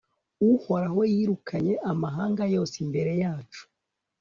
uhoraho yirukanye amahanga yose imbere yacu